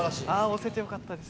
押せてよかったです。